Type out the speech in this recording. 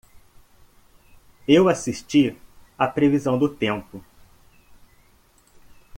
Eu assisti a previsão do tempo.